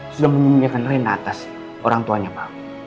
sudah memimpin reina atas orang tuanya pak